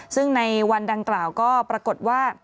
ซึ่งในวันดังกล่าวก็ปรากฏว่า